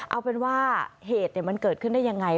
เอาเป็นว่าเหตุมันเกิดขึ้นได้ยังไง